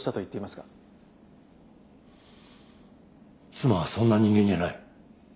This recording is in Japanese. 妻はそんな人間じゃない。